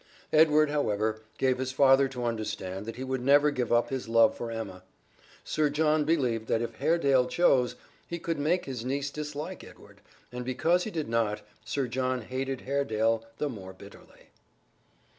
Edward, however, gave his father to understand that he would never give up his love for Emma. Sir John believed that if Haredale chose, he could make his niece dislike Edward, and because he did not, Sir John hated Haredale the more bitterly.